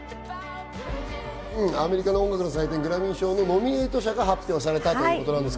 アメリカの音楽の祭典、グラミー賞のノミネート作が発表されたということです。